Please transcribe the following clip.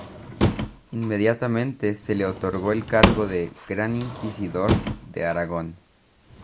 Inmediatamente se le otorgó el cargo de "gran Inquisidor de Aragón".